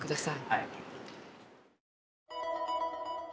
はい。